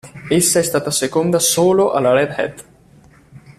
Essa è stata seconda solo alla Red Hat.